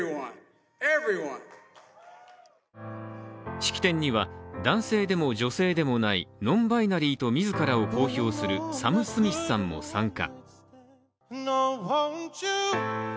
式典には、男性でも女性でもないノンバイナリーと自らを公表するサム・スミスさんも参加。